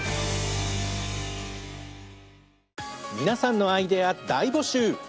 皆さんのアイデア大募集！